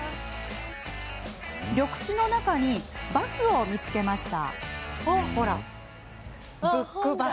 緑地の中にバスを見つけました。